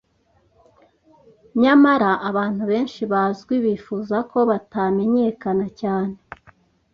Nyamara, abantu benshi bazwi bifuza ko batamenyekana cyane.